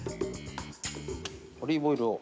オリーブオイルを。